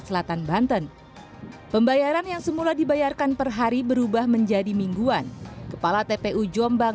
selatan banten pembayaran yang semula dibayarkan per hari berubah menjadi mingguan kepala tpu jombang